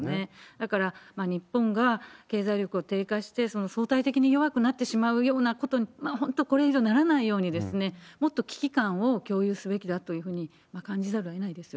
だから、日本が経済力を低下して、その相対的に弱くなってしまうようなことに本当これ以上ならないように、もっと危機感を共有すべきだというふうに感じざるをえないですよ